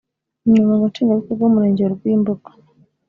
umunyamabanga nshingwabikorwa w’umurenge wa Rwimbogo